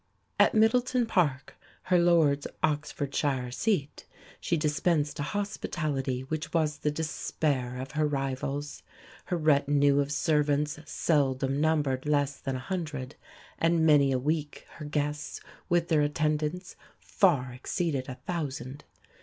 At Middleton Park, her lord's Oxfordshire seat, she dispensed a hospitality which was the despair of her rivals. Her retinue of servants seldom numbered less than a hundred, and many a week her guests, with their attendants, far exceeded a thousand.